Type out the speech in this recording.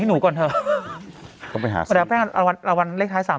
ให้หนูก่อนเถอะต้องไปหาแป้งเอาวันเอาวันเลขท้ายสาม